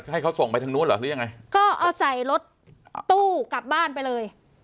ให้เขาส่งไปทางนู้นเหรอหรือยังไงก็เอาใส่รถตู้กลับบ้านไปเลย